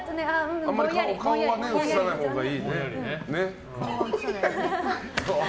あんまり顔は映さないほうがいいね。